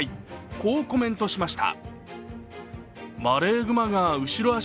こうコメントしました。